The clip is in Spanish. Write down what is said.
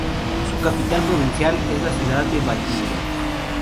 Su capital provincial es la ciudad de Valdivia.